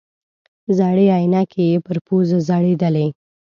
زړې عینکې یې پر پوزه ځړېدلې.